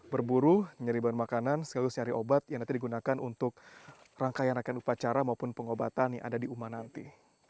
berburu nyari bahan makanan sekaligus nyari obat yang nanti digunakan untuk rangkaian rangkaian upacara maupun pengobatan yang ada di uma nanti